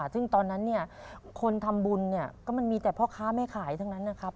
ซึ่งตอนนั้นคนทำบุญก็มันมีแต่เพราะค้าไม่ขายทั้งนั้นนะครับ